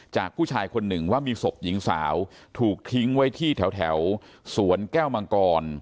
จากผู้ชายคนหนึ่งว่ามีศพหญิงสาวถูกทิ้งไว้ที่แถวสวนแก้วมังกร